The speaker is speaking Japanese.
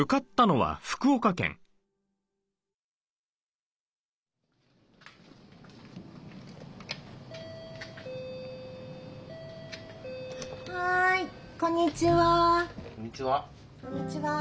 はいこんにちは。